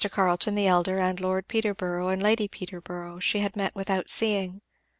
Carleton the elder, and Lord Peterborough and Lady Peterborough, she had met without seeing.